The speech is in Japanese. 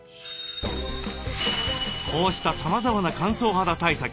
こうしたさまざまな乾燥肌対策